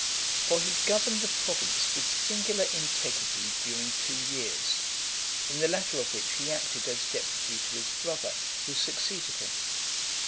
For he governed the province with singular integrity during two years, in the latter of which he acted as deputy to his brother, who succeeded him.